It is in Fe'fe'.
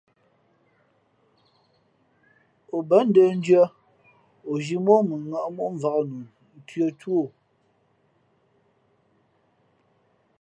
O bα̌ ndə̂ndʉ̄ᾱ, o zhī mά ǒ mʉnŋᾱꞌ móꞌmvǎk nu ntʉ̄ᾱ tú o.